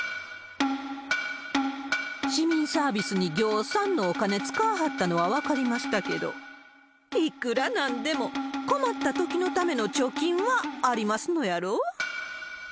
市民サービスにぎょうさんのお金使わはったのは分かりましたけど、いくらなんでも困ったときのための貯金はありますのやろ？